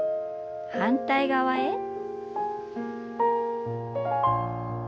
反対側へ。